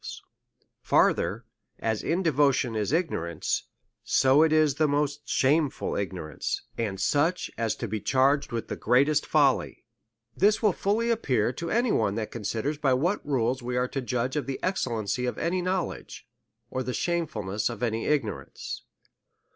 z4 344 A SERIOUS CALL TO A Farther : As indevotion is ignorance, so it is the most shameful ignorance, and such ought to be charg ed with the greatest folly. This will fully appear to any one that considers by what rules we are to judge of the excellency of any knowledge, or the shameful ness of any ignorance.